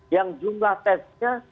yang jumlah testnya